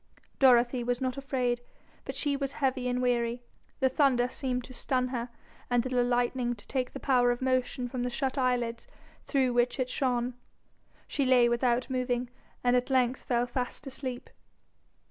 Dorothy was not afraid, but she was heavy and weary; the thunder seemed to stun her and the lightning to take the power of motion from the shut eyelids through which it shone. She lay without moving, and at length fell fast asleep.